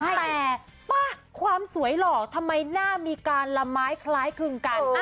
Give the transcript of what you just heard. แต่ว่าความสวยหลอกทำไมหน้ามีการละม้ายคล้ายขึ้นกัน